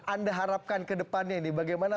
anda harapkan ke depannya ini bagaimana